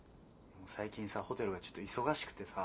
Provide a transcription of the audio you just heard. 最近さホテルがちょっと忙しくてさ。